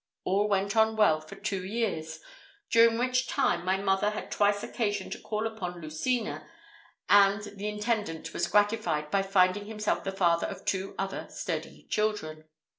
All went on well for two years, during which time my mother had twice occasion to call upon Lucina, and the intendant was gratified by finding himself the father of two other sturdy children.